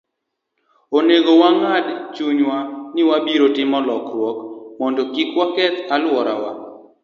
Onego wang'ad e chunywa ni wabiro timo lokruok mondo kik waketh alworawa.